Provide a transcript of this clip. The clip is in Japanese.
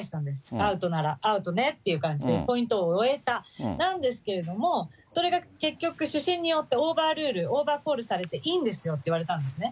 アウトならアウトねって感じで、ポイントを終えた、なんですけれども、それが結局、主審によってオーバールール、オーバーコールされて、インですよって言われたんですね。